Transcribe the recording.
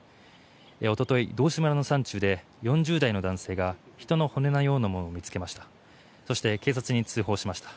おととい、道志村の山中で４０代の男性が人の骨のようなものを見つけました。